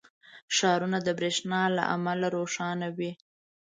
• ښارونه د برېښنا له امله روښانه وي.